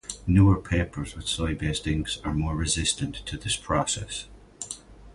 Newer papers with soy-based inks are more resistant to this process.